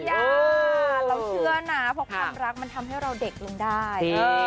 เราเชื่อนะเพราะความรักมันทำให้เราเด็กลงได้